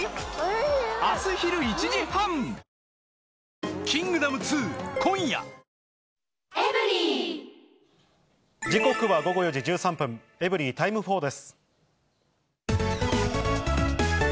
ニトリ時刻は午後４時１３分、エブリィタイム４です。